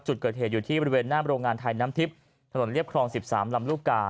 จุดเกิดเหตุอยู่ที่บริเวณหน้าโรงงานไทยน้ำทิพย์ถนนเรียบครอง๑๓ลำลูกกา